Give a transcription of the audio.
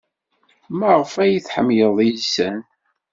Maɣef ay tḥemmlem iysan?